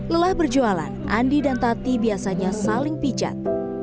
lelah berjualan andi dan tati biasanya saling pijat